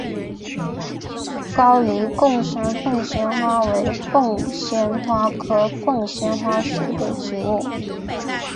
高黎贡山凤仙花为凤仙花科凤仙花属的植物。